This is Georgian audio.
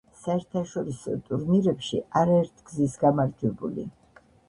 საერთაშორისო ტურნირებში არაერთგზის გამარჯვებული.